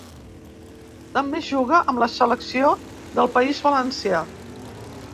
També jugà amb la selecció del País Valencià.